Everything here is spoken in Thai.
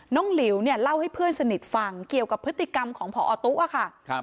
หลิวเนี่ยเล่าให้เพื่อนสนิทฟังเกี่ยวกับพฤติกรรมของพอตู้อะค่ะ